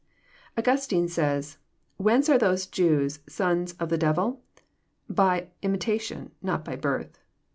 Augustine says :" Whence are those Jews sons of the dev il? — By imitation, not by birth."